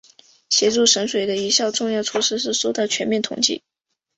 协助省水的一项重要措施是做到全面统计。